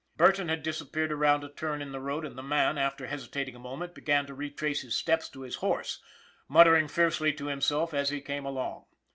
Burton had disappeared around a turn in the road and the man, after hesitating a moment, began to retrace his steps to his horse, muttering fiercely to himself as he came along.